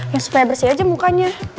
yang supaya bersih aja mukanya